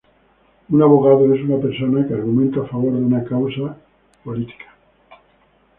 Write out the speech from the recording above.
Un abogado es una persona que argumenta a favor de una causa o política.